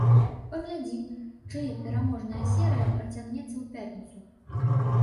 Паглядзім, чыя пераможная серыя працягнецца ў пятніцу.